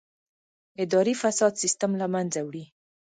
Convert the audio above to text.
اداري فساد سیستم له منځه وړي.